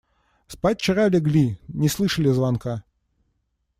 Спать вчера легли, не слышали звонка.